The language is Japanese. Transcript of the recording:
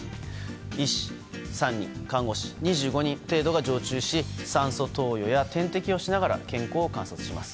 医師３人、看護師２５人程度が常駐し酸素投与や点滴をしながら健康観察します。